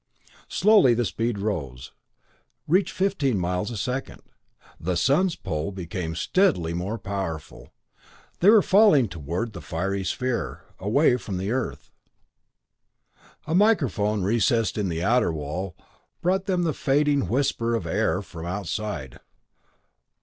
Slowly the speed rose reached fifteen miles a second. The sun's pull became steadily more powerful; they were falling toward the fiery sphere, away from the Earth. A microphone recessed in the outer wall brought them the fading whisper of air from outside.